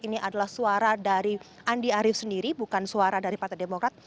ini adalah suara dari andi arief sendiri bukan suara dari partai demokrat